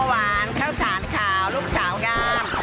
ส้มโอหวานเข้าสารขาวลูกสาวงาน